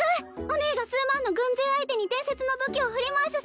お姉が数万の軍勢相手に伝説の武器を振り回す